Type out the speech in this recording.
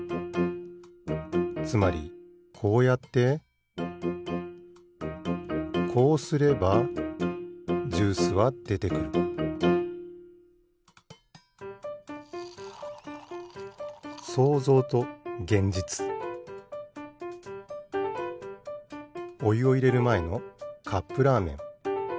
つまりこうやってこうすればジュースはでてくるおゆをいれるまえのカップラーメン。